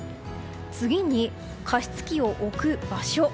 次に、加湿器を置く場所。